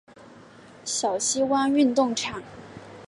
小西湾运动场则作为众球队的备用场。